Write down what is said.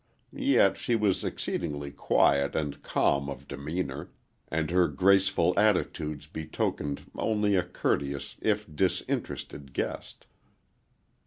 Yet she was exceedingly quiet and calm of demeanor, and her graceful attitudes betokened only a courteous if disinterested guest.